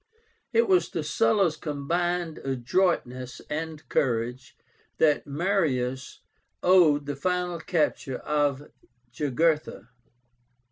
It was to Sulla's combined adroitness and courage that Marius owed the final capture of Jugurtha.